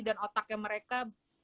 dan otaknya mereka